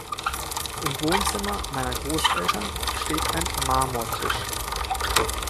Im Wohnzimmer meiner Großeltern steht ein Marmortisch.